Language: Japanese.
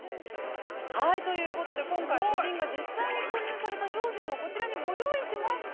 ◆ということで、今回、夫人が実際に購入された商品をこちらにご用意しました。